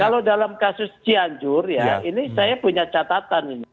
kalau dalam kasus cianjur ya ini saya punya catatan ini